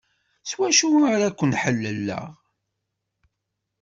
S wacu ara k-ḥelleleɣ?